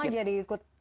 semua jadi ikut kotor